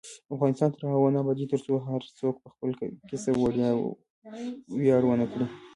افغانستان تر هغو نه ابادیږي، ترڅو هر څوک په خپل کسب ویاړ ونه کړي.